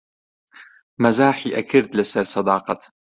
مەزاحی ئەکرد لەسەر سەداقەت